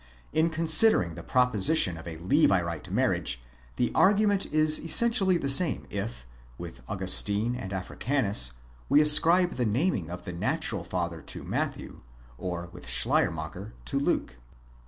In considering the proposition of a Levirate marriage, the argument is essentially the same if, with Augustine and Africanus, we ascribe the naming of the natural father to Matthew, or with Schleiermacher, to Luke.